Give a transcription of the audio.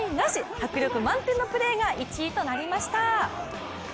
迫力満点のプレーが１位となりました。